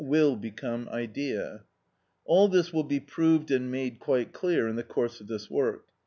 _, will become idea. All this will be proved and made quite clear in the course of this work.